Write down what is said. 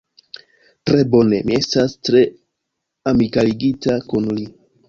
Tre bone; mi estas tre amikalligita kun li.